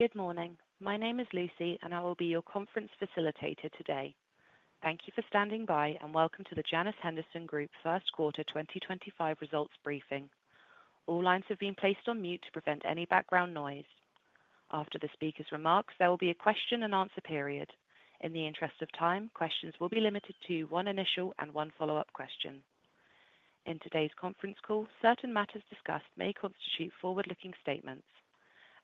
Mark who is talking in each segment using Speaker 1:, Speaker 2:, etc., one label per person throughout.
Speaker 1: Good morning. My name is Lucy, and I will be your conference facilitator today. Thank you for standing by, and welcome to the Janus Henderson Group Q1 2025 results briefing. All lines have been placed on mute to prevent any background noise. After the speaker's remarks, there will be a question-and-answer period. In the interest of time, questions will be limited to one initial and one follow-up question. In today's conference call, certain matters discussed may constitute forward-looking statements.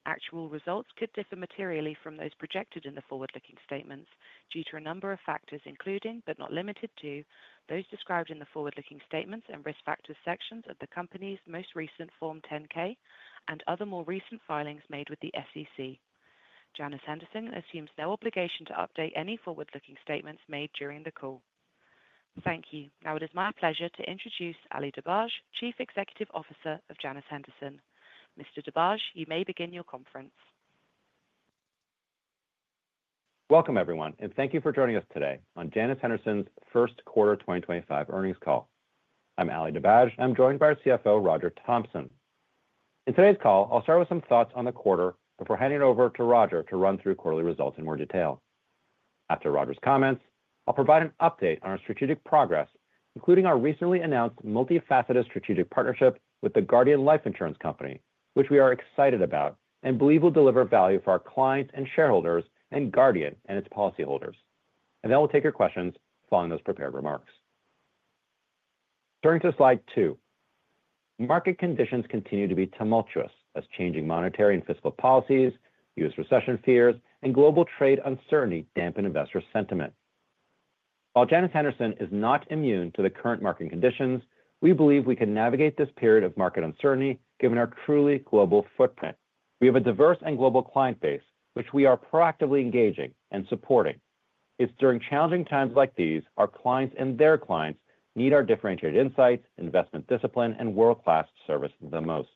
Speaker 1: Actual results could differ materially from those projected in the forward-looking statements due to a number of factors, including but not limited to those described in the forward-looking statements and risk factors sections of the company's most recent Form 10-K and other more recent filings made with the SEC. Janus Henderson assumes no obligation to update any forward-looking statements made during the call. Thank you. Now, it is my pleasure to introduce Ali Dibadj, Chief Executive Officer of Janus Henderson. Mr. Dibadj, you may begin your conference.
Speaker 2: Welcome, everyone, and thank you for joining us today on Janus Henderson's Q1 2025 earnings call. I'm Ali Dibadj, and I'm joined by our CFO, Roger Thompson. In today's call, I'll start with some thoughts on the quarter before handing it over to Roger to run through quarterly results in more detail. After Roger's comments, I'll provide an update on our strategic progress, including our recently announced multifaceted strategic partnership with the Guardian Life Insurance Company, which we are excited about and believe will deliver value for our clients and shareholders and Guardian and its policyholders. We will take your questions following those prepared remarks. Turning to slide two, market conditions continue to be tumultuous as changing monetary and fiscal policies, US recession fears, and global trade uncertainty dampen investor sentiment. While Janus Henderson is not immune to the current market conditions, we believe we can navigate this period of market uncertainty given our truly global footprint. We have a diverse and global client base, which we are proactively engaging and supporting. It's during challenging times like these our clients and their clients need our differentiated insights, investment discipline, and world-class service the most.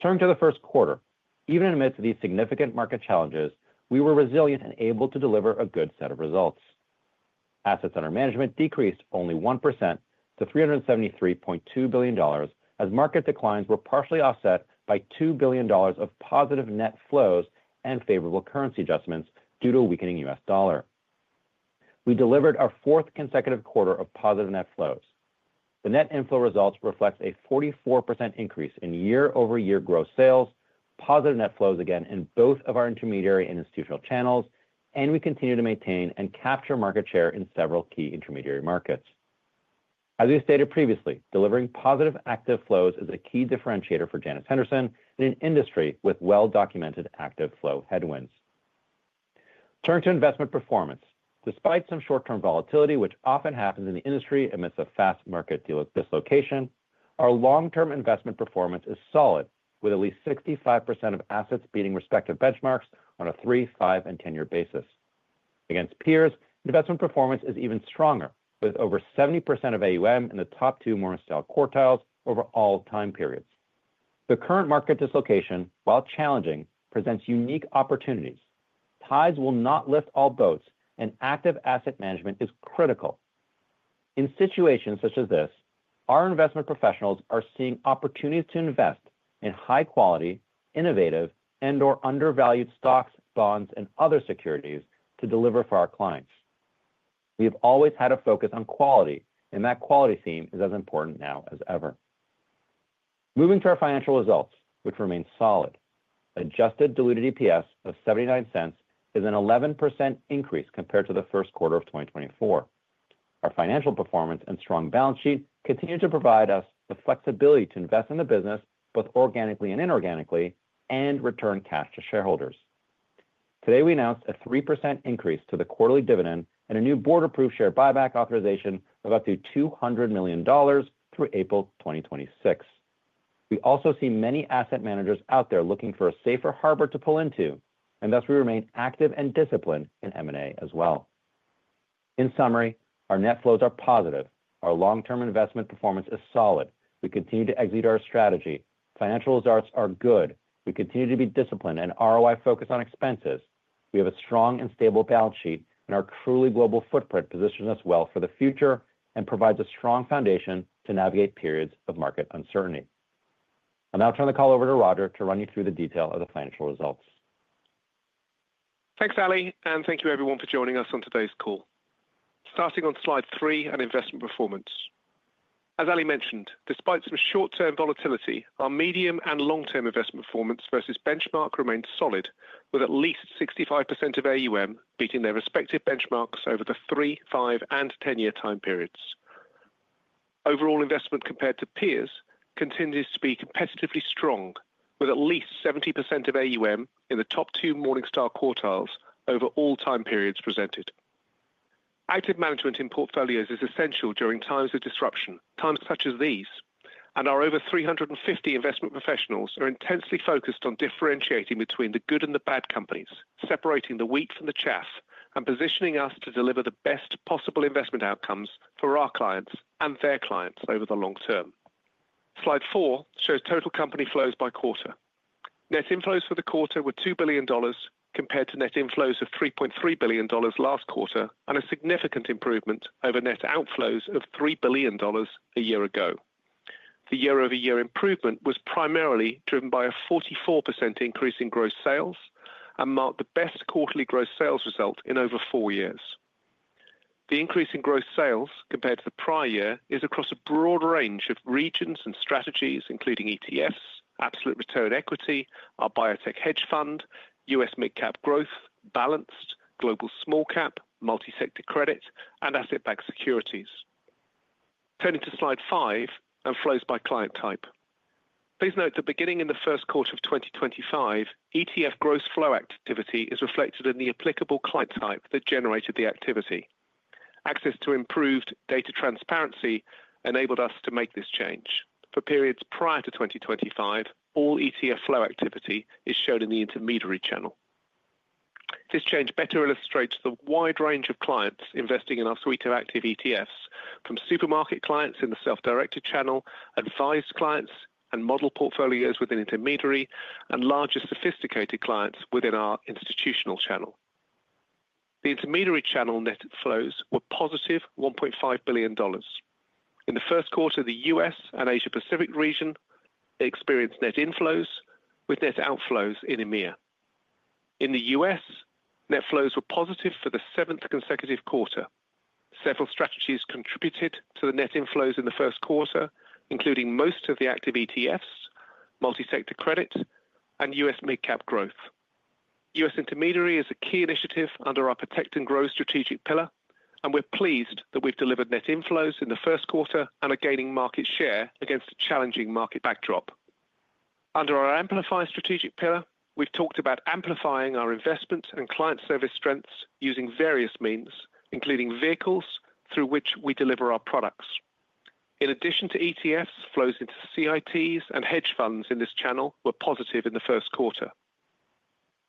Speaker 2: Turning to the Q1, even amidst these significant market challenges, we were resilient and able to deliver a good set of results. Assets under management decreased only 1% to $373.2 billion as market declines were partially offset by $2 billion of positive net flows and favorable currency adjustments due to a weakening US dollar. We delivered our fourth consecutive quarter of positive net flows. The net inflow results reflect a 44% increase in year-over-year gross sales, positive net flows again in both of our intermediary and institutional channels, and we continue to maintain and capture market share in several key intermediary markets. As we stated previously, delivering positive active flows is a key differentiator for Janus Henderson in an industry with well-documented active flow headwinds. Turning to investment performance, despite some short-term volatility, which often happens in the industry amidst a fast market dislocation, our long-term investment performance is solid, with at least 65% of assets beating respective benchmarks on a three, five, and ten-year basis. Against peers, investment performance is even stronger, with over 70% of AUM in the top two Morningstar quartiles over all time periods. The current market dislocation, while challenging, presents unique opportunities. Tides will not lift all boats, and active asset management is critical. In situations such as this, our investment professionals are seeing opportunities to invest in high-quality, innovative, and/or undervalued stocks, bonds, and other securities to deliver for our clients. We have always had a focus on quality, and that quality theme is as important now as ever. Moving to our financial results, which remain solid. Adjusted diluted EPS of $0.79 is an 11% increase compared to the Q1 of 2024. Our financial performance and strong balance sheet continue to provide us the flexibility to invest in the business both organically and inorganically and return cash to shareholders. Today, we announced a 3% increase to the quarterly dividend and a new Board-approved share buyback authorization of up to $200 million through April 2026. We also see many asset managers out there looking for a safer harbor to pull into, and thus we remain active and disciplined in M&A as well. In summary, our net flows are positive. Our long-term investment performance is solid. We continue to execute our strategy. Financial results are good. We continue to be disciplined and ROI-focused on expenses. We have a strong and stable balance sheet, and our truly global footprint positions us well for the future and provides a strong foundation to navigate periods of market uncertainty. I'll now turn the call over to Roger to run you through the detail of the financial results.
Speaker 3: Thanks, Ali, and thank you, everyone, for joining us on today's call. Starting on slide three and investment performance. As Ali mentioned, despite some short-term volatility, our medium and long-term investment performance versus benchmark remains solid, with at least 65% of AUM beating their respective benchmarks over the three, five, and ten-year time periods. Overall investment compared to peers continues to be competitively strong, with at least 70% of AUM in the top two Morningstar quartiles over all time periods presented. Active management in portfolios is essential during times of disruption, times such as these, and our over 350 investment professionals are intensely focused on differentiating between the good and the bad companies, separating the wheat from the chaff, and positioning us to deliver the best possible investment outcomes for our clients and their clients over the long term. Slide four shows total company flows by quarter. Net inflows for the quarter were $2 billion compared to net inflows of $3.3 billion last quarter and a significant improvement over net outflows of $3 billion a year ago. The year-over-year improvement was primarily driven by a 44% increase in gross sales and marked the best quarterly gross sales result in over four years. The increase in gross sales compared to the prior year is across a broad range of regions and strategies, including ETFs, absolute return equity, our biotech hedge fund, US mid-cap growth, balanced global small cap, multi-sector credit, and asset-backed securities. Turning to slide five and flows by client type. Please note that beginning in the Q1 of 2025, ETF gross flow activity is reflected in the applicable client type that generated the activity. Access to improved data transparency enabled us to make this change. For periods prior to 2025, all ETF flow activity is shown in the intermediary channel. This change better illustrates the wide range of clients investing in our suite of active ETFs, from supermarket clients in the self-directed channel, advised clients and model portfolios within intermediary, and larger sophisticated clients within our institutional channel. The intermediary channel net flows were positive $1.5 billion. In the Q1 of the US and Asia-Pacific region, they experienced net inflows with net outflows in EMEA. In the US, net flows were positive for the seventh consecutive quarter. Several strategies contributed to the net inflows in the Q1, including most of the active ETFs, multi-sector credit, and US mid-cap growth. US Intermediary is a key initiative Protect & Grow strategic pillar, and we're pleased that we've delivered net inflows in the Q1 and are gaining market share against a challenging market backdrop. Under our Amplify strategic pillar, we've talked about amplifying our investments and client service strengths using various means, including vehicles through which we deliver our products. In addition to ETFs, flows into CITs and hedge funds in this channel were positive in the Q1.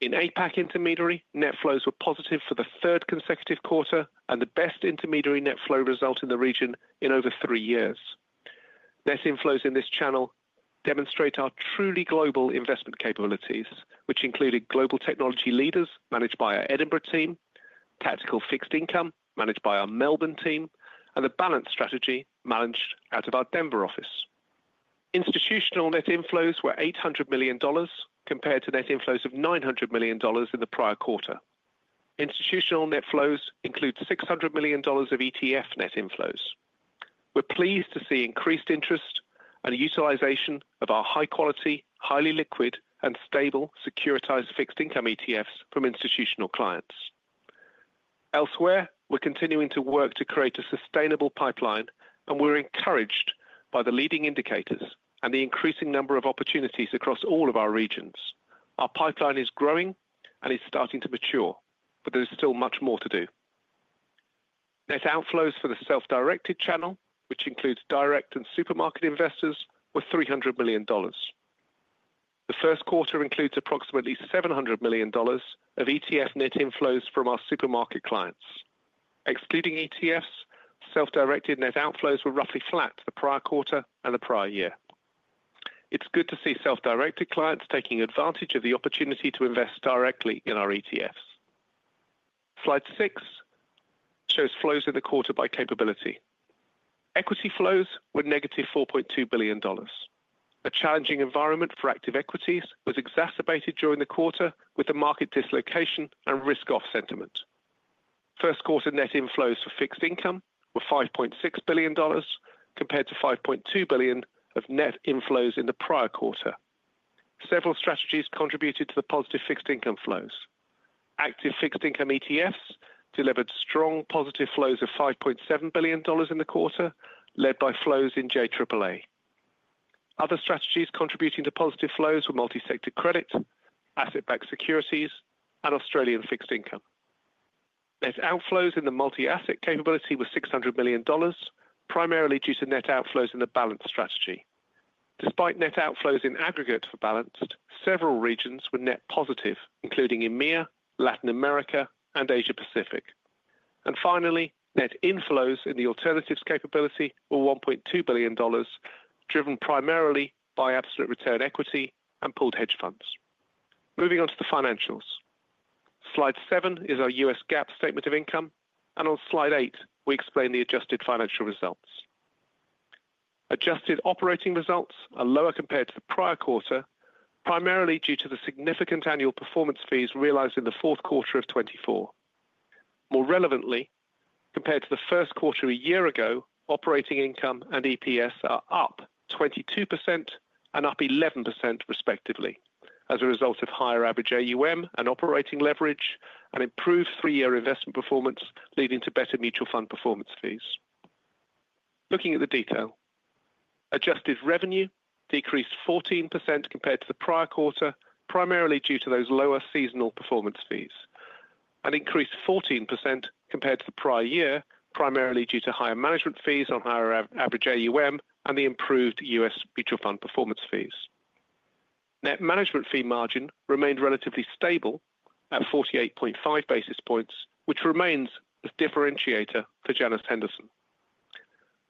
Speaker 3: In APAC intermediary, net flows were positive for the third consecutive quarter and the best intermediary net flow result in the region in over three years. Net inflows in this channel demonstrate our truly global investment capabilities, which included Global Technology Leaders managed by our Edinburgh team, tactical fixed income managed by our Melbourne team, and the Balanced strategy managed out of our Denver office. Institutional net inflows were $800 million compared to net inflows of $900 million in the prior quarter. Institutional net flows include $600 million of ETF net inflows. We're pleased to see increased interest and utilization of our high-quality, highly liquid, and stable securitized fixed income ETFs from institutional clients. Elsewhere, we're continuing to work to create a sustainable pipeline, and we're encouraged by the leading indicators and the increasing number of opportunities across all of our regions. Our pipeline is growing and is starting to mature, but there is still much more to do. Net outflows for the self-directed channel, which includes direct and supermarket investors, were $300 million. The Q1 includes approximately $700 million of ETF net inflows from our supermarket clients. Excluding ETFs, self-directed net outflows were roughly flat the prior quarter and the prior year. It's good to see self-directed clients taking advantage of the opportunity to invest directly in our ETFs. Slide six shows flows in the quarter by capability. Equity flows were negative $4.2 billion. A challenging environment for active equities was exacerbated during the quarter with the market dislocation and risk-off sentiment. Q1 net inflows for fixed income were $5.6 billion compared to $5.2 billion of net inflows in the prior quarter. Several strategies contributed to the positive fixed income flows. Active fixed income ETFs delivered strong positive flows of $5.7 billion in the quarter, led by flows in JAAA. Other strategies contributing to positive flows were multi-sector credit, asset-backed securities, and Australian fixed income. Net outflows in the multi-asset capability were $600 million, primarily due to net outflows in the balance strategy. Despite net outflows in aggregate for balanced, several regions were net positive, including EMEA, Latin America, and Asia-Pacific. Net inflows in the alternatives capability were $1.2 billion, driven primarily by absolute return equity and pooled hedge funds. Moving on to the financials. Slide seven is our US GAAP statement of income, and on slide eight, we explain the adjusted financial results. Adjusted operating results are lower compared to the prior quarter, primarily due to the significant annual performance fees realized in the Q4 of 2024. More relevantly, compared to the Q1 a year ago, operating income and EPS are up 22% and up 11%, respectively, as a result of higher average AUM and operating leverage and improved three-year investment performance leading to better mutual fund performance fees. Looking at the detail, adjusted revenue decreased 14% compared to the prior quarter, primarily due to those lower seasonal performance fees, and increased 14% compared to the prior year, primarily due to higher management fees on higher average AUM and the improved US mutual fund performance fees. Net management fee margin remained relatively stable at 48.5 basis points, which remains a differentiator for Janus Henderson.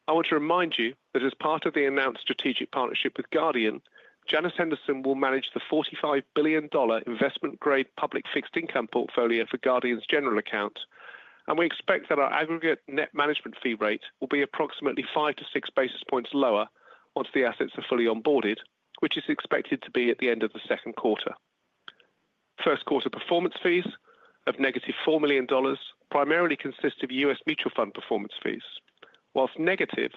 Speaker 3: I want to remind you that as part of the announced strategic partnership with Guardian, Janus Henderson will manage the $45 billion investment-grade public fixed income portfolio for Guardian's general account, and we expect that our aggregate net management fee rate will be approximately five to six basis points lower once the assets are fully onboarded, which is expected to be at the end of the Q2. Q1 performance fees of negative $4 million primarily consist of US mutual fund performance fees. Whilst negative,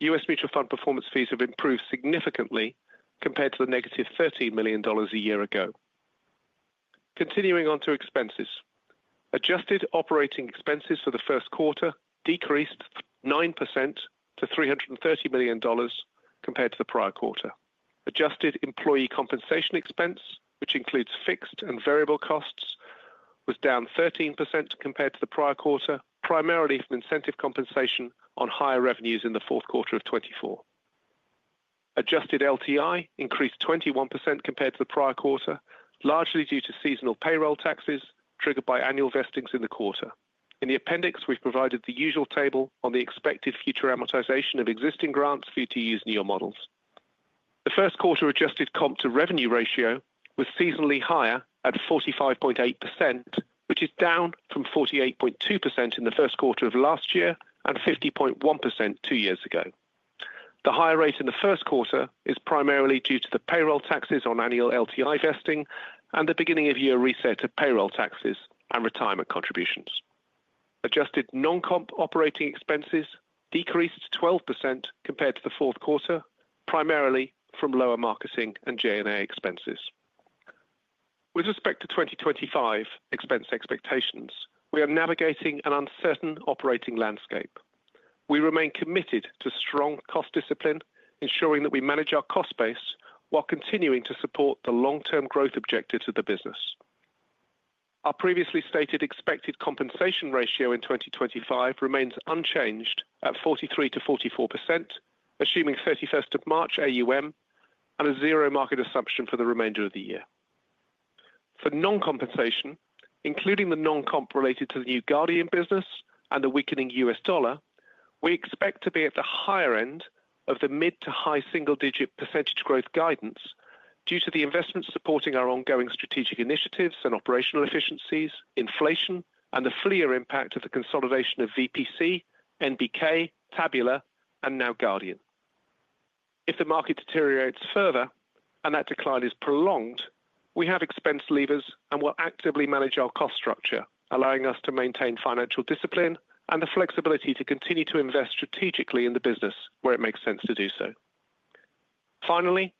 Speaker 3: US mutual fund performance fees have improved significantly compared to the negative $13 million a year ago. Continuing on to expenses, adjusted operating expenses for the Q1 decreased 9% to $330 million compared to the prior quarter. Adjusted employee compensation expense, which includes fixed and variable costs, was down 13% compared to the prior quarter, primarily from incentive compensation on higher revenues in the Q4 of 2024. Adjusted LTI increased 21% compared to the prior quarter, largely due to seasonal payroll taxes triggered by annual vestings in the quarter. In the appendix, we've provided the usual table on the expected future amortization of existing grants for you to use in your models. The Q1 adjusted comp to revenue ratio was seasonally higher at 45.8%, which is down from 48.2% in the Q1 of last year and 50.1% two years ago. The higher rate in the Q1 is primarily due to the payroll taxes on annual LTI vesting and the beginning-of-year reset of payroll taxes and retirement contributions. Adjusted non-comp operating expenses decreased 12% compared to the Q4, primarily from lower marketing and G&A expenses. With respect to 2025 expense expectations, we are navigating an uncertain operating landscape. We remain committed to strong cost discipline, ensuring that we manage our cost base while continuing to support the long-term growth objectives of the business. Our previously stated expected compensation ratio in 2025 remains unchanged at 43%-44%, assuming 31 of March AUM and a zero market assumption for the remainder of the year. For non-compensation, including the non-comp related to the new Guardian business and the weakening US dollar, we expect to be at the higher end of the mid to high single-digit percentage growth guidance due to the investments supporting our ongoing strategic initiatives and operational efficiencies, inflation, and the full-year impact of the consolidation of VPC, NBK, Tabula, and now Guardian. If the market deteriorates further and that decline is prolonged, we have expense levers and will actively manage our cost structure, allowing us to maintain financial discipline and the flexibility to continue to invest strategically in the business where it makes sense to do so. Finally,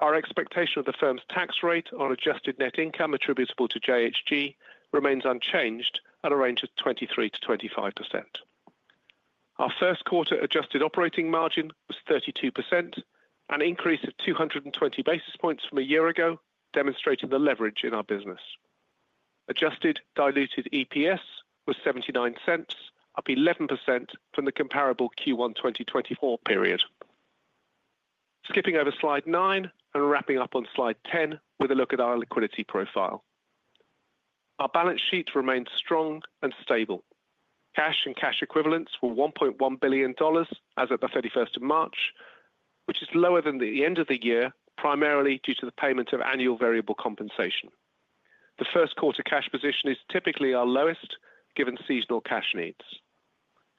Speaker 3: our expectation of the firm's tax rate on adjusted net income attributable to JHG remains unchanged at a range of 23%-25%. Our Q1 adjusted operating margin was 32%, an increase of 220 basis points from a year ago, demonstrating the leverage in our business. Adjusted diluted EPS was $0.79, up 11% from the comparable Q1 2024 period. Skipping over slide nine and wrapping up on slide ten with a look at our liquidity profile. Our balance sheet remains strong and stable. Cash and cash equivalents were $1.1 billion as of the 31st of March, which is lower than the end of the year, primarily due to the payment of annual variable compensation. The Q1 cash position is typically our lowest, given seasonal cash needs.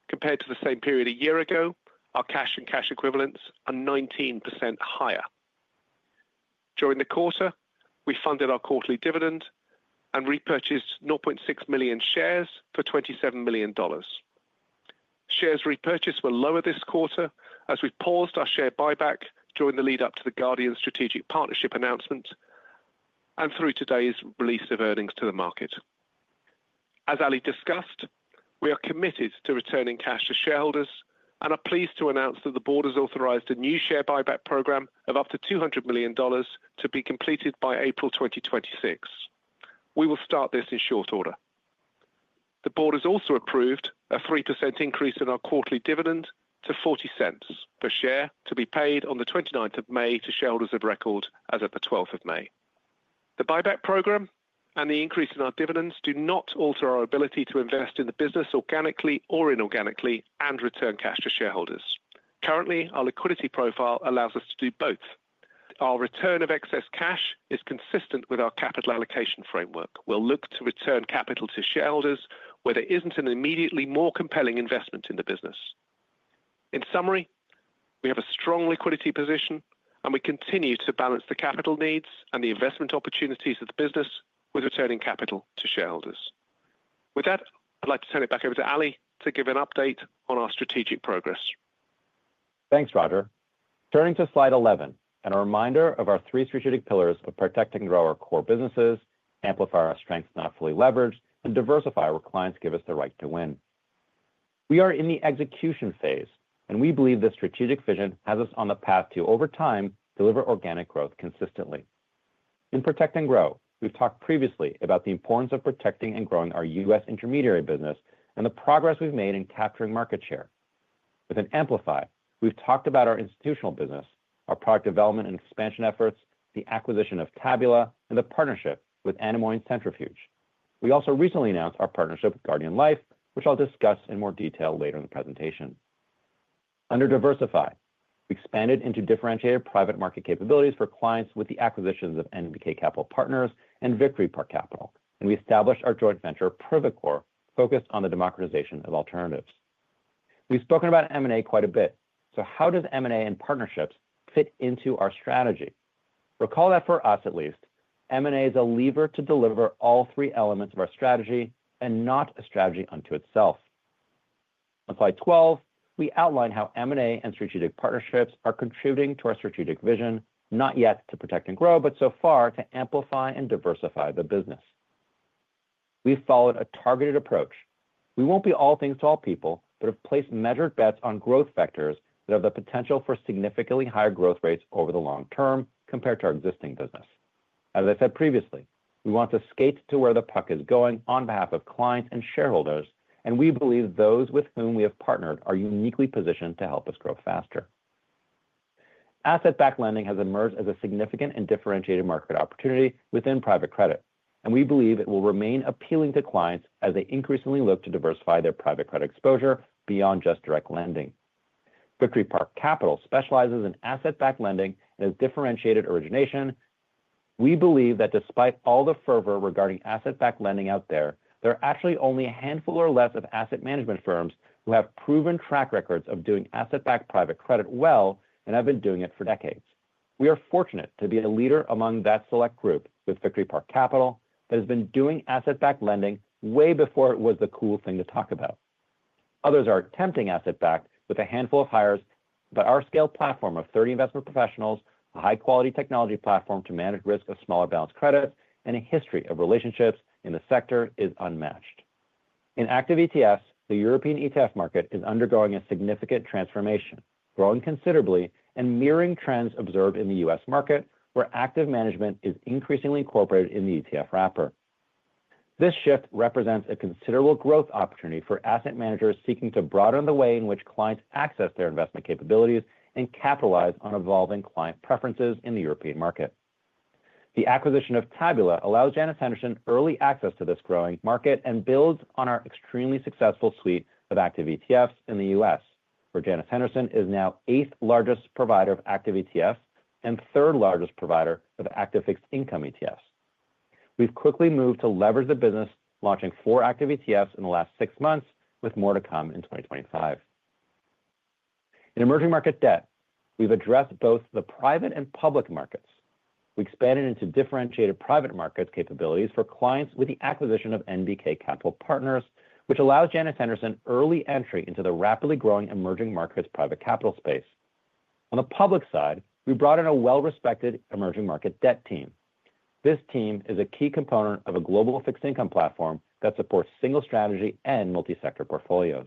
Speaker 3: Compared to the same period a year ago, our cash and cash equivalents are 19% higher. During the quarter, we funded our quarterly dividend and repurchased 0.6 million shares for $27 million. Shares repurchased were lower this quarter as we paused our share buyback during the lead-up to the Guardian strategic partnership announcement and through today's release of earnings to the market. As Ali discussed, we are committed to returning cash to shareholders and are pleased to announce that the board has authorized a new share buyback program of up to $200 million to be completed by April 2026. We will start this in short order. The board has also approved a 3% increase in our quarterly dividend to $0.40 per share to be paid on the 29 May to shareholders of record as of the 12 May. The buyback program and the increase in our dividends do not alter our ability to invest in the business organically or inorganically and return cash to shareholders. Currently, our liquidity profile allows us to do both. Our return of excess cash is consistent with our capital allocation framework. We'll look to return capital to shareholders where there isn't an immediately more compelling investment in the business. In summary, we have a strong liquidity position, and we continue to balance the capital needs and the investment opportunities of the business with returning capital to shareholders. With that, I'd like to turn it back over to Ali to give an update on our strategic progress.
Speaker 2: Thanks, Roger. Turning to slide 11 and a reminder of our three strategic pillars of protect and grow our core businesses, amplify our strengths not fully leveraged, and diversify where clients give us the right to win. We are in the execution phase, and we believe this strategic vision has us on the path to, over time, deliver organic growth consistently. In Protect & Grow, we've talked previously about the importance of protecting and growing our US intermediary business and the progress we've made in capturing market share. Within Amplify, we've talked about our institutional business, our product development and expansion efforts, the acquisition of Tabula, and the partnership with Anemoy and Centrifuge. We also recently announced our partnership with Guardian Life, which I'll discuss in more detail later in the presentation. Under Diversify, we expanded into differentiated private market capabilities for clients with the acquisitions of NBK Capital Partners and Victory Park Capital, and we established our joint venture, Privacore, focused on the democratization of alternatives. We've spoken about M&A quite a bit, so how does M&A and partnerships fit into our strategy? Recall that for us, at least, M&A is a lever to deliver all three elements of our strategy and not a strategy unto itself. On slide 12, we outline how M&A and strategic partnerships are contributing to our strategic vision, not yet to protect and grow, but so far to amplify and diversify the business. We've followed a targeted approach. We won't be all things to all people, but have placed measured bets on growth factors that have the potential for significantly higher growth rates over the long term compared to our existing business. As I said previously, we want to skate to where the puck is going on behalf of clients and shareholders, and we believe those with whom we have partnered are uniquely positioned to help us grow faster. Asset-backed lending has emerged as a significant and differentiated market opportunity within private credit, and we believe it will remain appealing to clients as they increasingly look to diversify their private credit exposure beyond just direct lending. Victory Park Capital specializes in asset-backed lending and has differentiated origination. We believe that despite all the fervor regarding asset-backed lending out there, there are actually only a handful or less of asset management firms who have proven track records of doing asset-backed private credit well and have been doing it for decades. We are fortunate to be a leader among that select group with Victory Park Capital that has been doing asset-backed lending way before it was the cool thing to talk about. Others are attempting asset-backed with a handful of hires, but our scale platform of 30 investment professionals, a high-quality technology platform to manage risk of smaller balanced credits, and a history of relationships in the sector is unmatched. In active ETFs, the European ETF market is undergoing a significant transformation, growing considerably and mirroring trends observed in the US market, where active management is increasingly incorporated in the ETF wrapper. This shift represents a considerable growth opportunity for asset managers seeking to broaden the way in which clients access their investment capabilities and capitalize on evolving client preferences in the European market. The acquisition of Tabula allows Janus Henderson early access to this growing market and builds on our extremely successful suite of active ETFs in the US, where Janus Henderson is now eighth-largest provider of active ETFs and third-largest provider of active fixed income ETFs. We've quickly moved to leverage the business, launching four active ETFs in the last six months, with more to come in 2025. In emerging market debt, we've addressed both the private and public markets. We expanded into differentiated private markets capabilities for clients with the acquisition of NBK Capital Partners, which allows Janus Henderson early entry into the rapidly growing emerging markets private capital space. On the public side, we brought in a well-respected emerging market debt team. This team is a key component of a global fixed income platform that supports single strategy and multi-sector portfolios.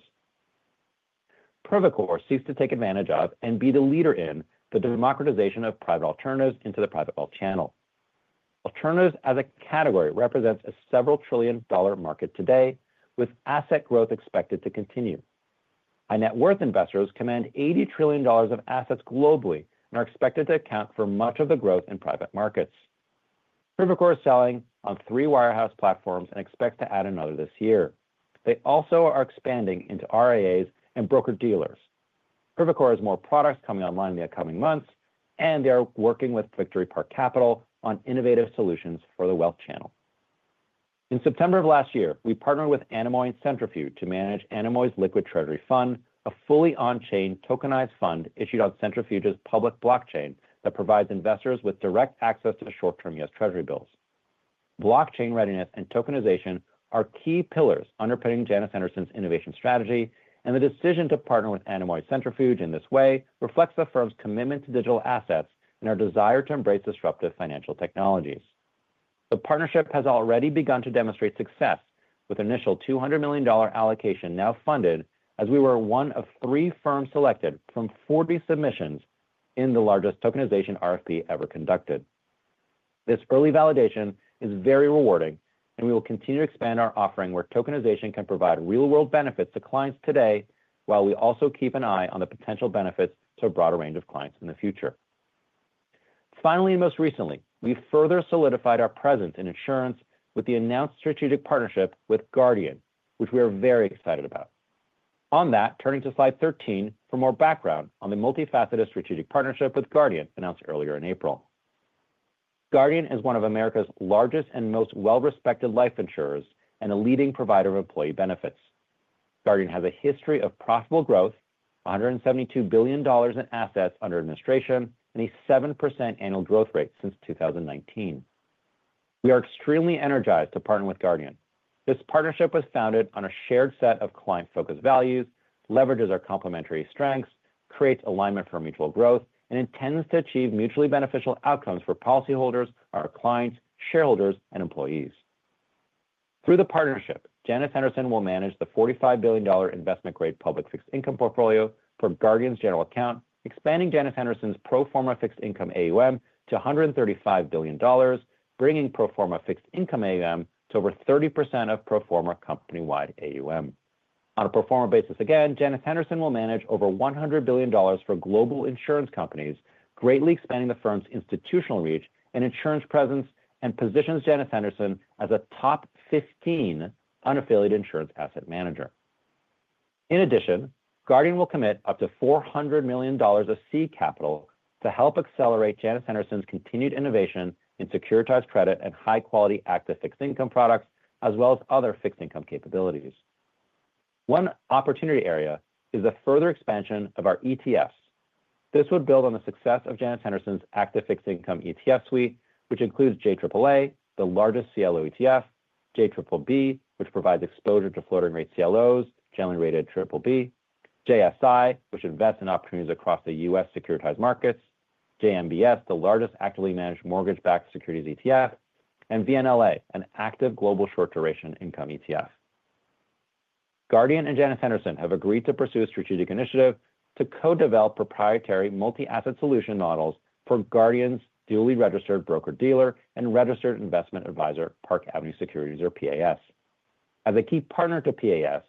Speaker 2: Privacore seeks to take advantage of and be the leader in the democratization of private alternatives into the private wealth channel. Alternatives as a category represents a several trillion dollar market today, with asset growth expected to continue. High-net-worth investors command $80 trillion of assets globally and are expected to account for much of the growth in private markets. Privacore is selling on three wirehouse platforms and expects to add another this year. They also are expanding into RIAs and broker-dealers. Privacore has more products coming online in the upcoming months, and they are working with Victory Park Capital on innovative solutions for the wealth channel. In September of last year, we partnered with Anemoy and Centrifuge to manage Anemoy's Liquid Treasury Fund, a fully on-chain tokenized fund issued on Centrifuge's public blockchain that provides investors with direct access to short-term US Treasury bills. Blockchain readiness and tokenization are key pillars underpinning Janus Henderson's innovation strategy, and the decision to partner with Anemoy and Centrifuge in this way reflects the firm's commitment to digital assets and our desire to embrace disruptive financial technologies. The partnership has already begun to demonstrate success, with an initial $200 million allocation now funded as we were one of three firms selected from 40 submissions in the largest tokenization RFP ever conducted. This early validation is very rewarding, and we will continue to expand our offering where tokenization can provide real-world benefits to clients today, while we also keep an eye on the potential benefits to a broader range of clients in the future. Finally, and most recently, we have further solidified our presence in insurance with the announced strategic partnership with Guardian, which we are very excited about. On that, turning to slide 13 for more background on the multifaceted strategic partnership with Guardian announced earlier in April. Guardian is one of America's largest and most well-respected life insurers and a leading provider of employee benefits. Guardian has a history of profitable growth, $172 billion in assets under administration, and a 7% annual growth rate since 2019. We are extremely energized to partner with Guardian. This partnership was founded on a shared set of client-focused values, leverages our complementary strengths, creates alignment for mutual growth, and intends to achieve mutually beneficial outcomes for policyholders, our clients, shareholders, and employees. Through the partnership, Janus Henderson will manage the $45 billion investment-grade public fixed income portfolio from Guardian's general account, expanding Janus Henderson's pro forma fixed income AUM to $135 billion, bringing pro forma fixed income AUM to over 30% of pro forma company-wide AUM. On a pro forma basis again, Janus Henderson will manage over $100 billion for global insurance companies, greatly expanding the firm's institutional reach and insurance presence and positions Janus Henderson as a top 15 unaffiliated insurance asset manager. In addition, Guardian will commit up to $400 million of seed capital to help accelerate Janus Henderson's continued innovation in securitized credit and high-quality active fixed income products, as well as other fixed income capabilities. One opportunity area is the further expansion of our ETFs. This would build on the success of Janus Henderson's active fixed income ETF suite, which includes JAAA, the largest CLO ETF, JBBB, which provides exposure to floating-rate CLOs, generally rated BBB, JSI, which invests in opportunities across the US securitized markets, JMBS, the largest actively managed mortgage-backed securities ETF, and VNLA, an active global short-duration income ETF. Guardian and Janus Henderson have agreed to pursue a strategic initiative to co-develop proprietary multi-asset solution models for Guardian's duly registered broker-dealer and registered investment advisor, Park Avenue Securities, or PAS. As a key partner to PAS,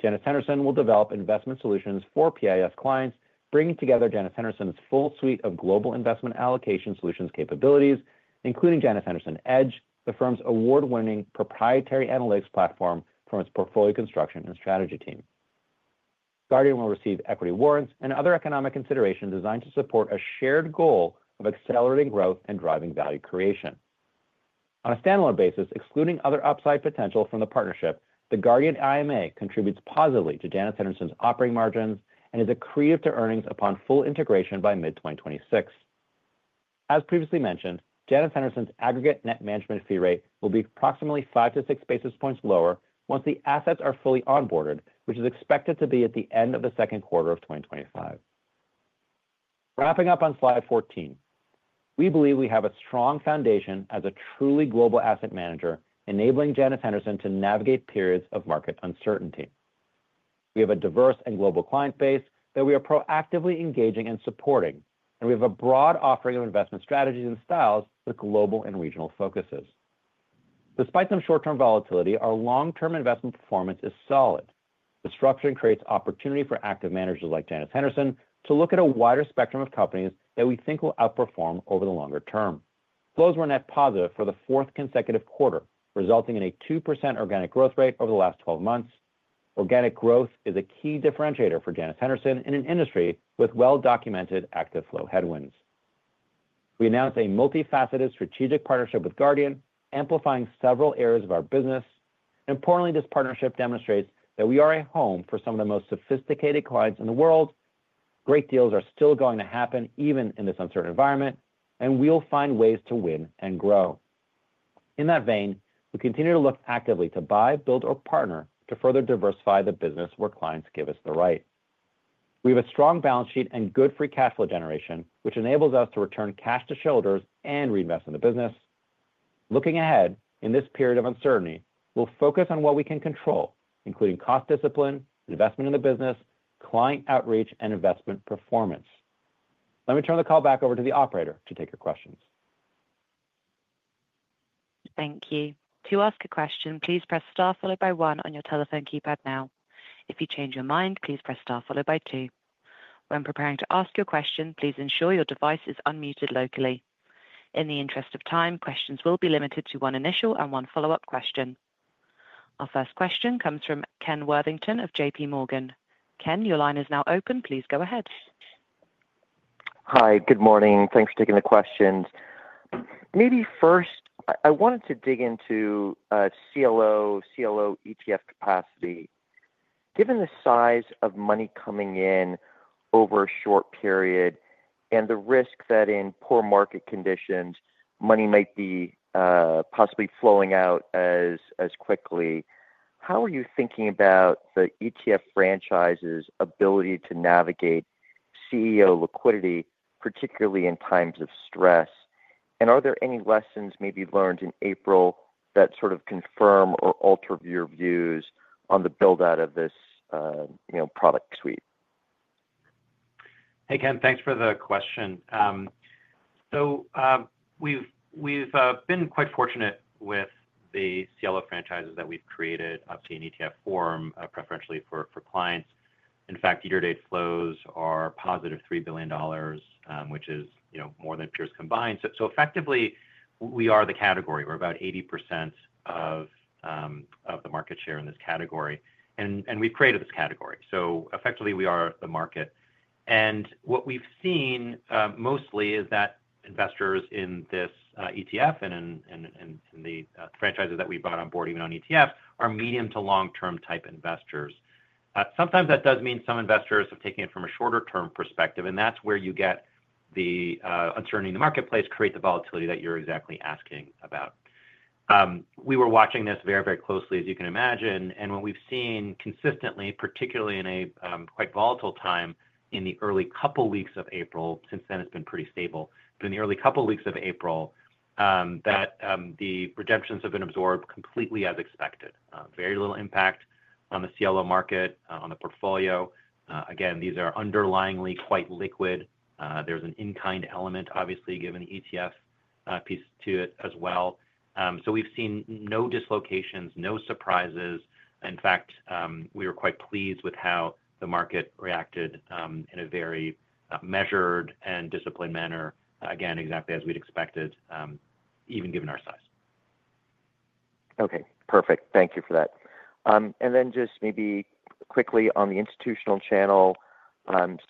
Speaker 2: Janus Henderson will develop investment solutions for PAS clients, bringing together Janus Henderson's full suite of global investment allocation solutions capabilities, including Janus Henderson Edge, the firm's award-winning proprietary analytics platform from its portfolio construction and strategy team. Guardian will receive equity warrants and other economic considerations designed to support a shared goal of accelerating growth and driving value creation. On a standalone basis, excluding other upside potential from the partnership, the Guardian IMA contributes positively to Janus Henderson's operating margins and is accretive to earnings upon full integration by mid-2026. As previously mentioned, Janus Henderson's aggregate net management fee rate will be approximately five to six basis points lower once the assets are fully onboarded, which is expected to be at the end of the Q2 of 2025. Wrapping up on slide 14, we believe we have a strong foundation as a truly global asset manager, enabling Janus Henderson to navigate periods of market uncertainty. We have a diverse and global client base that we are proactively engaging and supporting, and we have a broad offering of investment strategies and styles with global and regional focuses. Despite some short-term volatility, our long-term investment performance is solid. The structure creates opportunity for active managers like Janus Henderson to look at a wider spectrum of companies that we think will outperform over the longer term. Flows were net positive for the fourth consecutive quarter, resulting in a 2% organic growth rate over the last 12 months. Organic growth is a key differentiator for Janus Henderson in an industry with well-documented active flow headwinds. We announced a multifaceted strategic partnership with Guardian, amplifying several areas of our business. Importantly, this partnership demonstrates that we are a home for some of the most sophisticated clients in the world. Great deals are still going to happen even in this uncertain environment, and we'll find ways to win and grow. In that vein, we continue to look actively to buy, build, or partner to further diversify the business where clients give us the right. We have a strong balance sheet and good free cash flow generation, which enables us to return cash to shareholders and reinvest in the business. Looking ahead in this period of uncertainty, we'll focus on what we can control, including cost discipline, investment in the business, client outreach, and investment performance. Let me turn the call back over to the operator to take your questions.
Speaker 1: Thank you. To ask a question, please press star followed by one on your telephone keypad now. If you change your mind, please press star followed by two. When preparing to ask your question, please ensure your device is unmuted locally. In the interest of time, questions will be limited to one initial and one follow-up question. Our first question comes from Ken Worthington of JP Morgan. Ken, your line is now open. Please go ahead.
Speaker 4: Hi, good morning. Thanks for taking the questions. Maybe first, I wanted to dig into CLO, CLO ETF capacity. Given the size of money coming in over a short period and the risk that in poor market conditions, money might be possibly flowing out as quickly, how are you thinking about the ETF franchise's ability to navigate CLO liquidity, particularly in times of stress? Are there any lessons maybe learned in April that sort of confirm or alter your views on the build-out of this product suite?
Speaker 2: Hey, Ken, thanks for the question. We've been quite fortunate with the CLO franchises that we've created. Obviously, an ETF form preferentially for clients. In fact, year-to-date flows are positive $3 billion, which is more than peers combined. Effectively, we are the category. We're about 80% of the market share in this category. We've created this category. Effectively, we are the market. What we've seen mostly is that investors in this ETF and in the franchises that we brought on board, even on ETFs, are medium to long-term type investors. Sometimes that does mean some investors have taken it from a shorter-term perspective, and that's where you get the uncertainty in the marketplace creates the volatility that you're exactly asking about. We were watching this very, very closely, as you can imagine. What we have seen consistently, particularly in a quite volatile time in the early couple weeks of April, since then it has been pretty stable, but in the early couple weeks of April, the redemptions have been absorbed completely as expected. Very little impact on the CLO market, on the portfolio. Again, these are underlyingly quite liquid. There is an in-kind element, obviously, given the ETF piece to it as well. We have seen no dislocations, no surprises. In fact, we were quite pleased with how the market reacted in a very measured and disciplined manner, exactly as we had expected, even given our size.
Speaker 4: Okay, perfect. Thank you for that. Just maybe quickly on the institutional channel,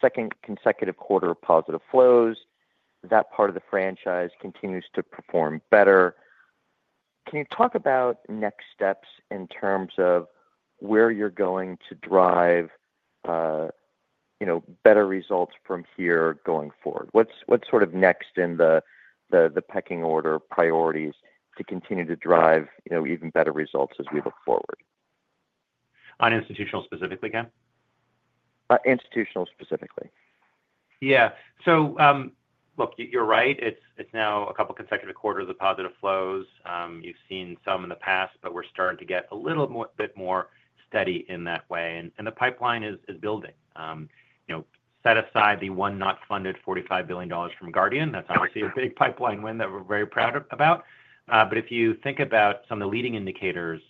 Speaker 4: second consecutive quarter of positive flows, that part of the franchise continues to perform better. Can you talk about next steps in terms of where you're going to drive better results from here going forward? What's sort of next in the pecking order priorities to continue to drive even better results as we look forward?
Speaker 2: On institutional specifically, Ken?
Speaker 4: Institutional specifically.
Speaker 2: Yeah. You're right. It's now a couple consecutive quarters of positive flows. You've seen some in the past, but we're starting to get a little bit more steady in that way. The pipeline is building. Set aside the one not funded $45 billion from Guardian. That's obviously a big pipeline win that we're very proud about. If you think about some of the leading indicators,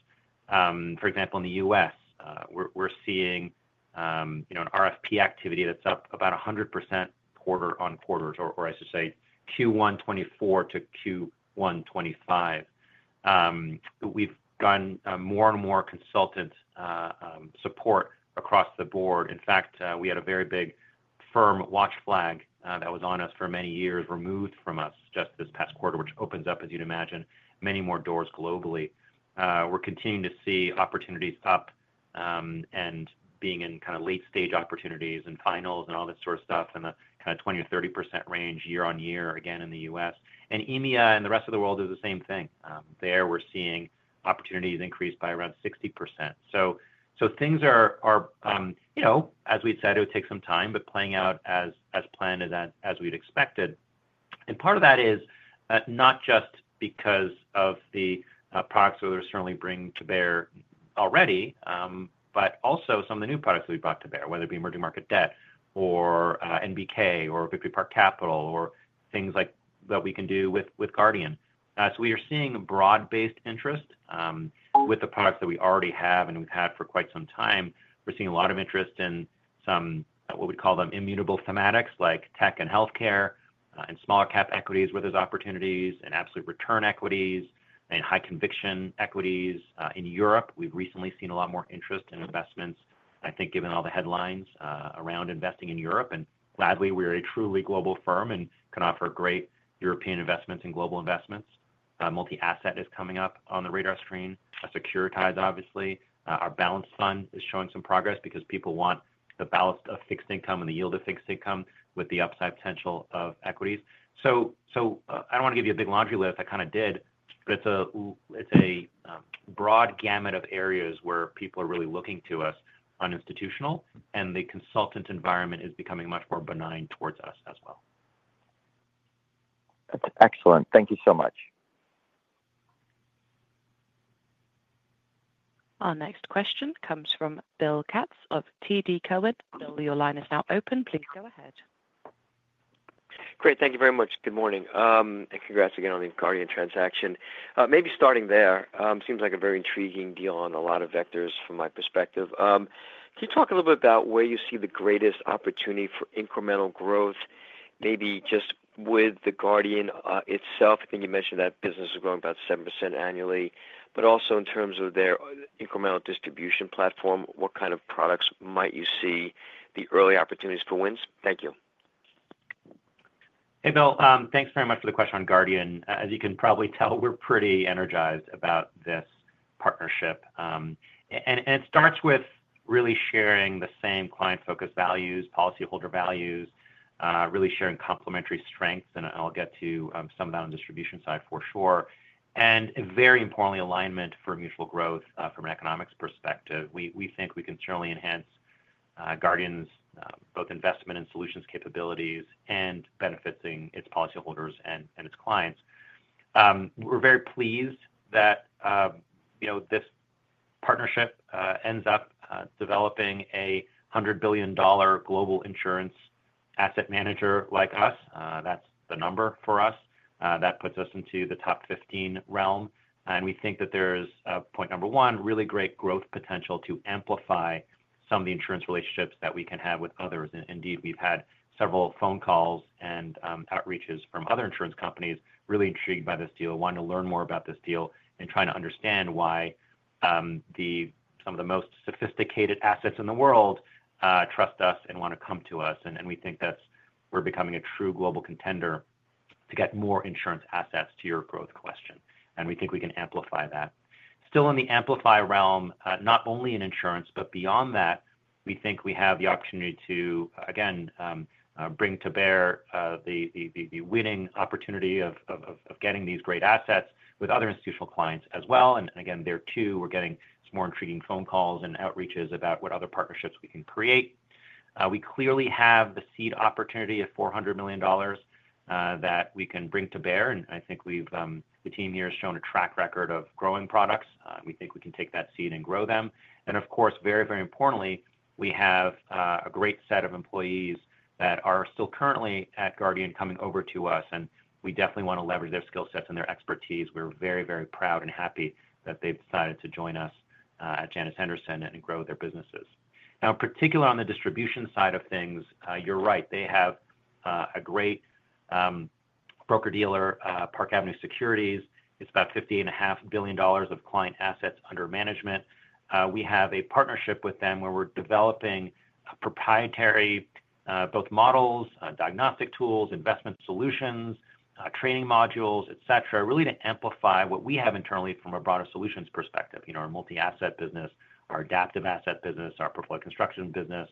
Speaker 2: for example, in the US, we're seeing an RFP activity that's up about 100% quarter-on-quarter, or I should say Q1 2024 to Q1 2025. We've gotten more and more consultant support across the board. In fact, we had a very big firm watch flag that was on us for many years removed from us just this past quarter, which opens up, as you'd imagine, many more doors globally. We're continuing to see opportunities up and being in kind of late-stage opportunities and finals and all this sort of stuff in the kind of 20% to 30% range year-on-year, again, in the US And EMEA and the rest of the world is the same thing. There, we're seeing opportunities increased by around 60%. Things are, as we'd said, it would take some time, but playing out as planned and as we'd expected. Part of that is not just because of the products that we're certainly bringing to bear already, but also some of the new products that we brought to bear, whether it be emerging market debt or NBK Capital Partners or Victory Park Capital or things like that we can do with Guardian. We are seeing broad-based interest with the products that we already have and we've had for quite some time. We're seeing a lot of interest in some, what we'd call them, immutable thematics like tech and healthcare and small-cap equities where there's opportunities and absolute return equities and high-conviction equities. In Europe, we've recently seen a lot more interest in investments, I think, given all the headlines around investing in Europe. Gladly, we are a truly global firm and can offer great European investments and global investments. Multi-asset is coming up on the radar screen, securitized, obviously. Our balance fund is showing some progress because people want the balance of fixed income and the yield of fixed income with the upside potential of equities. I do not want to give you a big laundry list. I kind of did, but it is a broad gamut of areas where people are really looking to us on institutional, and the consultant environment is becoming much more benign towards us as well.
Speaker 4: That is excellent. Thank you so much.
Speaker 1: Our next question comes from Bill Katz of TD Cowen. Bill, your line is now open. Please go ahead.
Speaker 5: Great. Thank you very much. Good morning. And congrats again on the Guardian transaction. Maybe starting there, it seems like a very intriguing deal on a lot of vectors from my perspective. Can you talk a little bit about where you see the greatest opportunity for incremental growth, maybe just with the Guardian itself? I think you mentioned that business is growing about 7% annually, but also in terms of their incremental distribution platform, what kind of products might you see the early opportunities for wins? Thank you.
Speaker 2: Hey, Bill. Thanks very much for the question on Guardian. As you can probably tell, we're pretty energized about this partnership. It starts with really sharing the same client-focused values, policyholder values, really sharing complementary strengths, and I'll get to some of that on the distribution side for sure. Very importantly, alignment for mutual growth from an economics perspective. We think we can certainly enhance Guardian's both investment and solutions capabilities and benefiting its policyholders and its clients. We're very pleased that this partnership ends up developing a $100 billion global insurance asset manager like us. That's the number for us. That puts us into the top 15 realm. We think that there's, point number one, really great growth potential to amplify some of the insurance relationships that we can have with others. Indeed, we've had several phone calls and outreaches from other insurance companies really intrigued by this deal, wanting to learn more about this deal and trying to understand why some of the most sophisticated assets in the world trust us and want to come to us. We think that we're becoming a true global contender to get more insurance assets to your growth question. We think we can amplify that. Still in the amplify realm, not only in insurance, but beyond that, we think we have the opportunity to, again, bring to bear the winning opportunity of getting these great assets with other institutional clients as well. Again, there too, we're getting some more intriguing phone calls and outreaches about what other partnerships we can create. We clearly have the seed opportunity of $400 million that we can bring to bear. I think the team here has shown a track record of growing products. We think we can take that seed and grow them. Of course, very, very importantly, we have a great set of employees that are still currently at Guardian coming over to us. We definitely want to leverage their skill sets and their expertise. We're very, very proud and happy that they've decided to join us at Janus Henderson and grow their businesses. In particular, on the distribution side of things, you're right. They have a great broker-dealer, Park Avenue Securities. It's about $58.5 billion of client assets under management. We have a partnership with them where we're developing proprietary both models, diagnostic tools, investment solutions, training modules, etc., really to amplify what we have internally from a broader solutions perspective, our multi-asset business, our adaptive asset business, our portfolio construction business,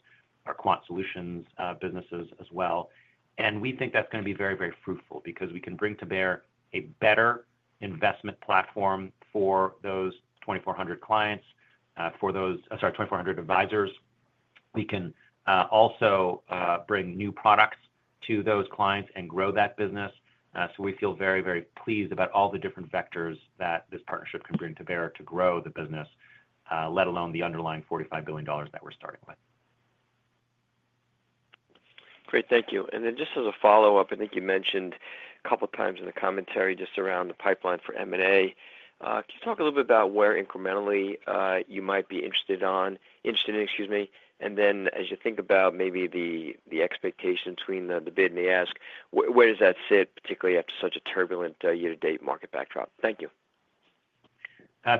Speaker 2: our quant solutions businesses as well. We think that's going to be very, very fruitful because we can bring to bear a better investment platform for those 2,400 clients, for those, sorry, 2,400 advisors. We can also bring new products to those clients and grow that business. We feel very, very pleased about all the different vectors that this partnership can bring to bear to grow the business, let alone the underlying $45 billion that we're starting with.
Speaker 5: Great. Thank you. Just as a follow-up, I think you mentioned a couple of times in the commentary just around the pipeline for M&A. Can you talk a little bit about where incrementally you might be interested in, excuse me, and then as you think about maybe the expectation between the bid and the ask, where does that sit, particularly after such a turbulent year-to-date market backdrop? Thank you.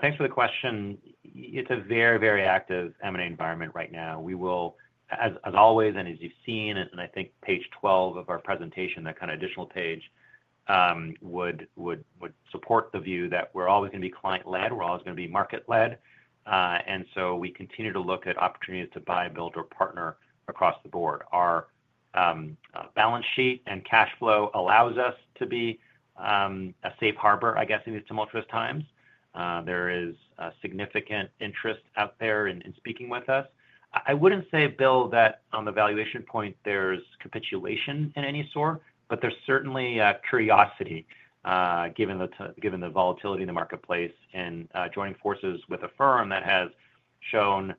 Speaker 2: Thanks for the question. It is a very, very active M&A environment right now. We will, as always and as you have seen, and I think page 12 of our presentation, that kind of additional page would support the view that we are always going to be client-led. We are always going to be market-led. We continue to look at opportunities to buy, build, or partner across the board. Our balance sheet and cash flow allow us to be a safe harbor, I guess, in these tumultuous times. There is significant interest out there in speaking with us. I wouldn't say, Bill, that on the valuation point, there's capitulation in any sort, but there's certainly curiosity given the volatility in the marketplace and joining forces with a firm that has shown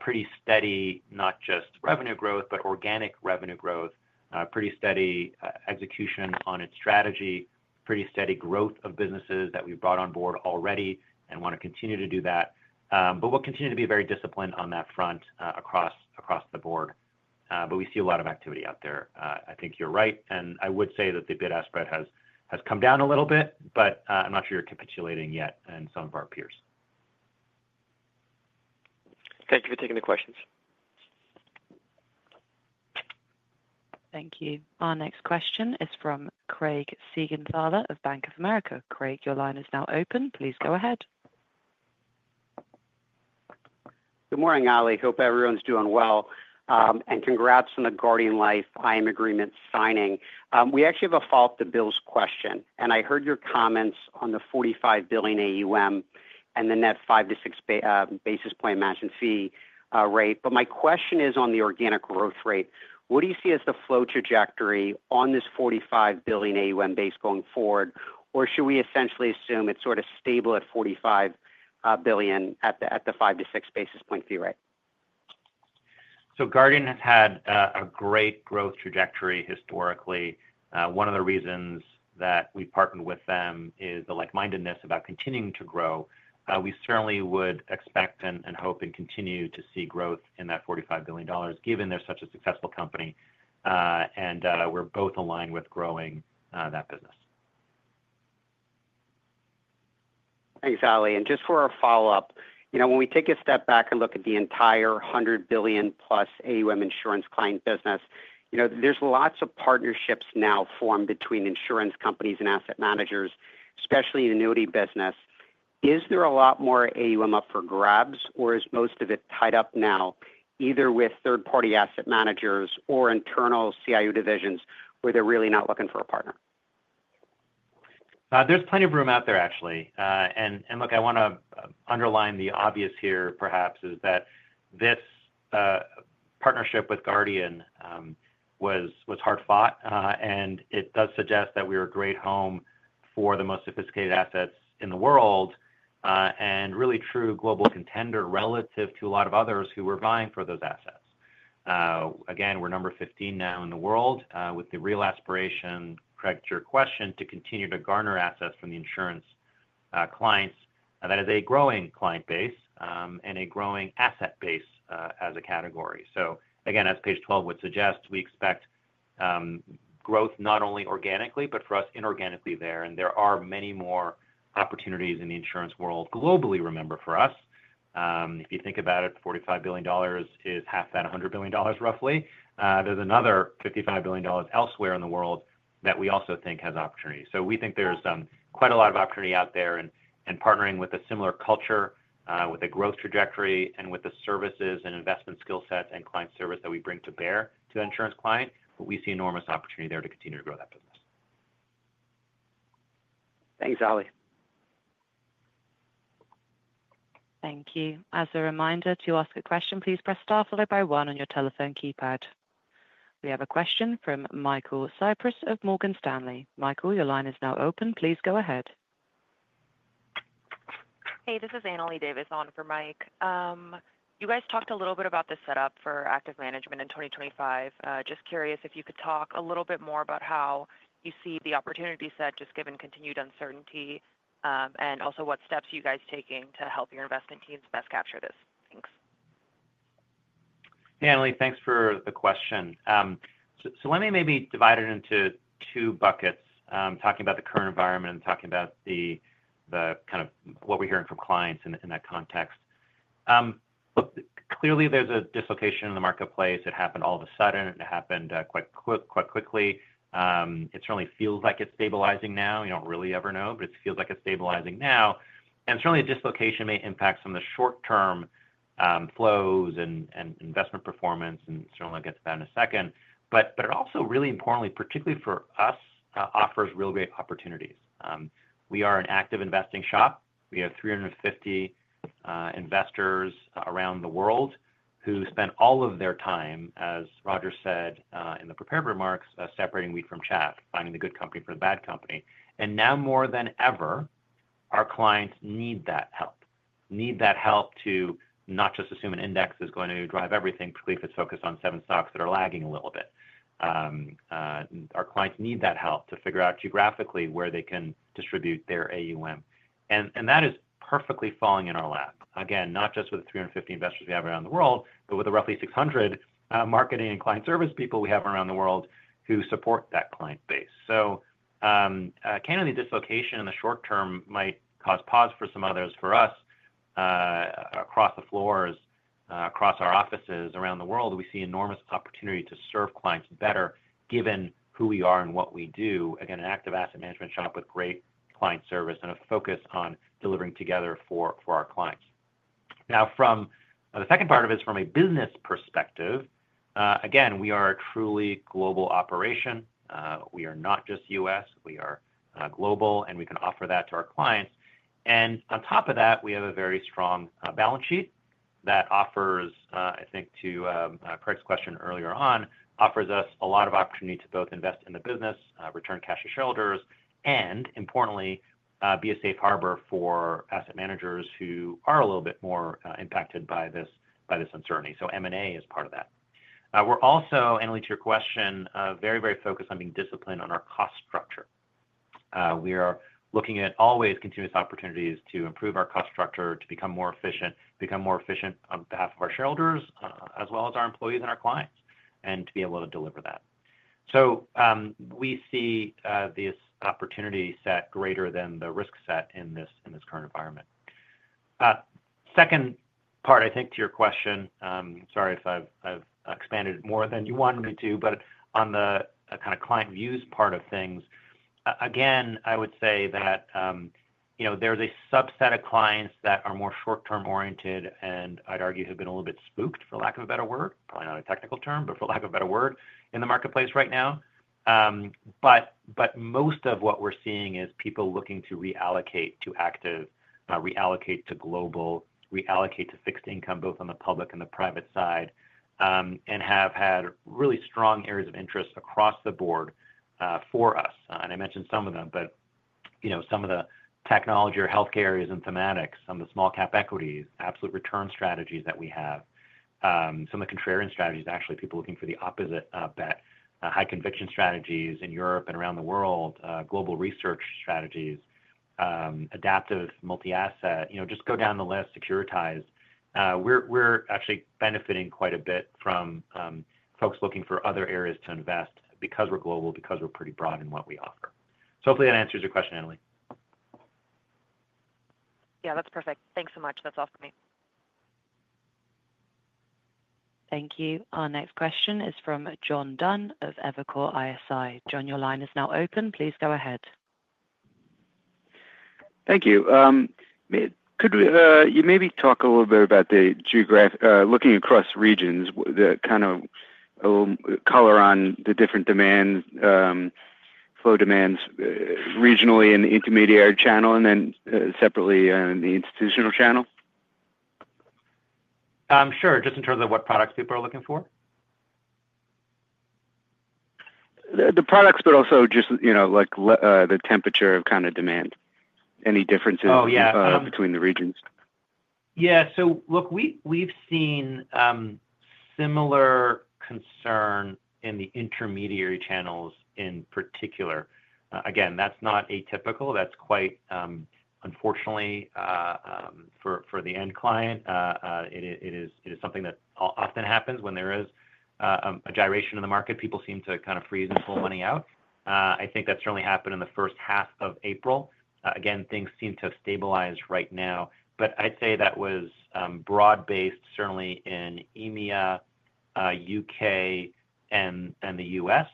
Speaker 2: pretty steady, not just revenue growth, but organic revenue growth, pretty steady execution on its strategy, pretty steady growth of businesses that we've brought on board already and want to continue to do that. We will continue to be very disciplined on that front across the board. We see a lot of activity out there. I think you're right. I would say that the bid-ask spread has come down a little bit, but I'm not sure you're capitulating yet in some of our peers.
Speaker 5: Thank you for taking the questions.
Speaker 1: Thank you. Our next question is from Craig Siegenthaler of Bank of America. Craig, your line is now open. Please go ahead.
Speaker 6: Good morning, Ali. Hope everyone's doing well. Congrats on the Guardian Life IM agreement signing. We actually have a follow-up to Bill's question. I heard your comments on the $45 billion AUM and the net 5 basis point to 6 basis point matching fee rate. My question is on the organic growth rate. What do you see as the flow trajectory on this $45 billion AUM base going forward, or should we essentially assume it's sort of stable at $45 billion at the 5 basis point to 6 basis point fee rate?
Speaker 2: Guardian has had a great growth trajectory historically. One of the reasons that we partnered with them is the like-mindedness about continuing to grow. We certainly would expect and hope and continue to see growth in that $45 billion, given they're such a successful company. We're both aligned with growing that business.
Speaker 6: Thanks, Ali. Just for our follow-up, when we take a step back and look at the entire $100 billion-plus AUM insurance client business, there's lots of partnerships now formed between insurance companies and asset managers, especially in the annuity business. Is there a lot more AUM up for grabs, or is most of it tied up now either with third-party asset managers or internal CIU divisions where they're really not looking for a partner?
Speaker 2: There's plenty of room out there, actually. I want to underline the obvious here, perhaps, that this partnership with Guardian was hard-fought. It does suggest that we are a great home for the most sophisticated assets in the world and really a true global contender relative to a lot of others who were vying for those assets. Again, we're number 15 now in the world with the real aspiration, Craig to your question, to continue to garner assets from the insurance clients. That is a growing client base and a growing asset base as a category. As page 12 would suggest, we expect growth not only organically, but for us, inorganically there. There are many more opportunities in the insurance world globally, remember, for us. If you think about it, $45 billion is half that $100 billion, roughly. There's another $55 billion elsewhere in the world that we also think has opportunity. We think there's quite a lot of opportunity out there and partnering with a similar culture, with a growth trajectory, and with the services and investment skill sets and client service that we bring to bear to the insurance client, we see enormous opportunity there to continue to grow that business.
Speaker 6: Thanks, Ali.
Speaker 1: Thank you. As a reminder, to ask a question, please press star followed by one on your telephone keypad. We have a question from Michael Cyprys of Morgan Stanley. Michael, your line is now open. Please go ahead.
Speaker 7: Hey, this is Annalei Davis on for Mike. You guys talked a little bit about the setup for active management in 2025. Just curious if you could talk a little bit more about how you see the opportunity set, just given continued uncertainty, and also what steps you guys are taking to help your investment teams best capture this. Thanks.
Speaker 2: Hey, Ali, thanks for the question. Let me maybe divide it into two buckets, talking about the current environment and talking about the kind of what we're hearing from clients in that context. Clearly, there's a dislocation in the marketplace. It happened all of a sudden. It happened quite quickly. It certainly feels like it's stabilizing now. You don't really ever know, but it feels like it's stabilizing now. A dislocation may impact some of the short-term flows and investment performance, and certainly I'll get to that in a second. It also, really importantly, particularly for us, offers real great opportunities. We are an active investing shop. We have 350 investors around the world who spend all of their time, as Roger said in the prepared remarks, separating wheat from chaff, finding the good company from the bad company. Now more than ever, our clients need that help, need that help to not just assume an index is going to drive everything, particularly if it's focused on seven stocks that are lagging a little bit. Our clients need that help to figure out geographically where they can distribute their AUM. That is perfectly falling in our lap. Again, not just with the 350 investors we have around the world, but with the roughly 600 marketing and client service people we have around the world who support that client base. Candidly, dislocation in the short term might cause pause for some others. For us, across the floors, across our offices around the world, we see enormous opportunity to serve clients better given who we are and what we do. Again, an active asset management shop with great client service and a focus on delivering together for our clients. Now, from the second part of it, from a business perspective, again, we are a truly global operation. We are not just US We are global, and we can offer that to our clients. We have a very strong balance sheet that offers, I think, to correct the question earlier on, offers us a lot of opportunity to both invest in the business, return cash to shareholders, and, importantly, be a safe harbor for asset managers who are a little bit more impacted by this uncertainty. M&A is part of that. We are also, Annalei, to your question, very, very focused on being disciplined on our cost structure. We are looking at always continuous opportunities to improve our cost structure, to become more efficient, become more efficient on behalf of our shareholders, as well as our employees and our clients, and to be able to deliver that. We see this opportunity set greater than the risk set in this current environment. Second part, I think, to your question, sorry if I've expanded more than you wanted me to, but on the kind of client views part of things, again, I would say that there's a subset of clients that are more short-term oriented and I'd argue have been a little bit spooked, for lack of a better word, probably not a technical term, but for lack of a better word, in the marketplace right now. Most of what we're seeing is people looking to reallocate to active, reallocate to global, reallocate to fixed income, both on the public and the private side, and have had really strong areas of interest across the board for us. I mentioned some of them, but some of the technology or healthcare areas and thematics, some of the small-cap equities, absolute return strategies that we have, some of the contrarian strategies, actually, people looking for the opposite bet, high conviction strategies in Europe and around the world, global research strategies, adaptive multi-asset, just go down the list, securitized. We're actually benefiting quite a bit from folks looking for other areas to invest because we're global, because we're pretty broad in what we offer. Hopefully that answers your question, Annalei.
Speaker 7: Yeah, that's perfect. Thanks so much. That's all for me.
Speaker 1: Thank you. Our next question is from John Dunn of Evercore ISI. John, your line is now open. Please go ahead. Thank you.
Speaker 8: Could you maybe talk a little bit about the geographic looking across regions, kind of color on the different demands, flow demands regionally in the intermediary channel, and then separately in the institutional channel?
Speaker 2: Sure. Just in terms of what products people are looking for?
Speaker 8: The products, but also just the temperature of kind of demand. Any differences between the regions?
Speaker 2: Yeah. Look, we've seen similar concern in the intermediary channels in particular. Again, that's not atypical. That's quite, unfortunately, for the end client. It is something that often happens when there is a gyration in the market. People seem to kind of freeze and pull money out. I think that certainly happened in the H1 of April. Things seem to have stabilized right now. I'd say that was broad-based, certainly in EMEA, UK, and the US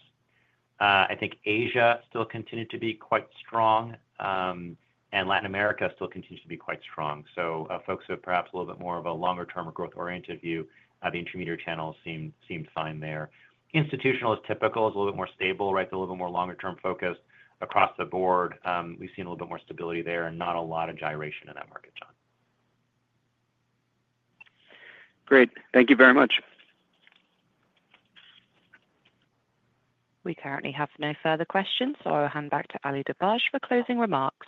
Speaker 2: I think Asia still continued to be quite strong, and Latin America still continues to be quite strong. Folks who have perhaps a little bit more of a longer-term or growth-oriented view, the intermediary channels seemed fine there. Institutional is typical. It's a little bit more stable, right? It's a little bit more longer-term focused across the board. We've seen a little bit more stability there and not a lot of gyration in that market, John.
Speaker 8: Great. Thank you very much.
Speaker 1: We currently have no further questions, so I'll hand back to Ali Dibadj for closing remarks.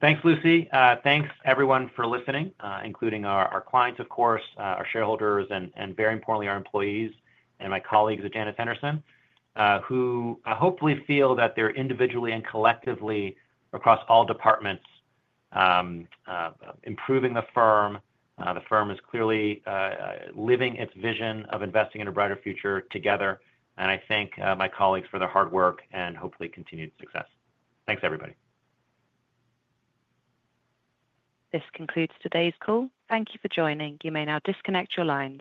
Speaker 2: Thanks, Lucy. Thanks, everyone, for listening, including our clients, of course, our shareholders, and very importantly, our employees and my colleagues at Janus Henderson, who hopefully feel that they're individually and collectively across all departments improving the firm. The firm is clearly living its vision of investing in a brighter future together. I thank my colleagues for their hard work and hopefully continued success. Thanks, everybody.
Speaker 1: This concludes today's call. Thank you for joining. You may now disconnect your lines.